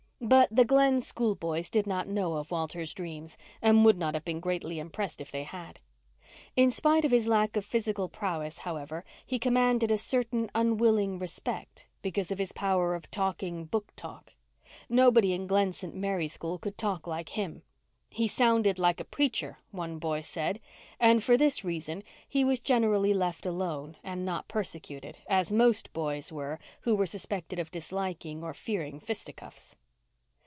But the Glen schoolboys did not know of Walter's dreams and would not have been greatly impressed if they had. In spite of his lack of physical prowess, however, he commanded a certain unwilling respect because of his power of "talking book talk." Nobody in Glen St. Mary school could talk like him. He "sounded like a preacher," one boy said; and for this reason he was generally left alone and not persecuted, as most boys were who were suspected of disliking or fearing fisticuffs.